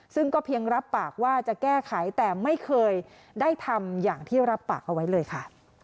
ซึ่งก็เพียงรับปากว่าจะแก้ไขแต่ไม่เคยได้ทำอย่างที่รับปากเอาไว้เลยค่ะ